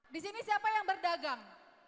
di sini siapa yang berdagang